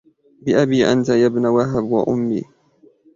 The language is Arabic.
بأبي أنت يا ابن وهب وأمي